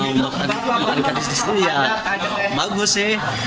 makan makan di sini ya bagus sih